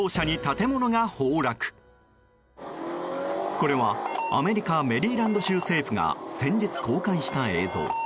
これはアメリカ・メリーランド州政府が先日、公開した映像。